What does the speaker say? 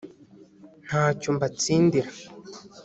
ntacyo mbatsindira